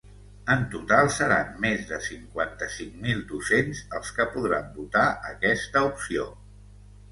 En total, seran més de cinquanta-cinc mil docents els que podran votar aquesta opció.